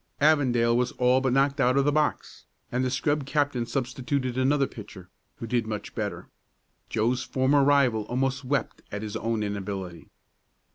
Avondale was all but knocked out of the box, and the scrub captain substituted another pitcher, who did much better. Joe's former rival almost wept at his own inability.